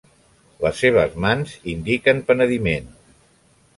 Les seves mans indiquen penediment.